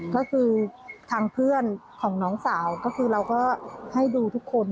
ก็คือทางเพื่อนของน้องสาวก็คือเราก็ให้ดูทุกคน